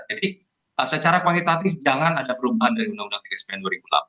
jadi secara kuantitatif jangan ada perubahan dari undang undang tiga puluh sembilan dua ribu delapan